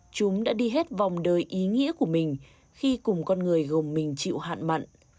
chúng đã đi hết vòng đời ý nghĩa của mình khi cùng con người gồm mình chịu hạn mặn